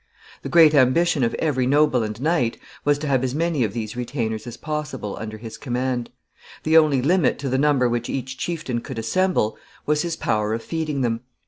The great ambition of every noble and knight was to have as many of these retainers as possible under his command. The only limit to the number which each chieftain could assemble was his power of feeding them.